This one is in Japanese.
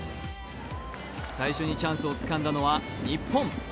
最初にチャンスをつかんだのは日本。